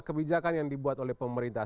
kebijakan yang dibuat oleh pemerintah